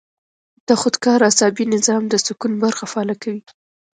د خودکار اعصابي نظام د سکون برخه فعاله کوي -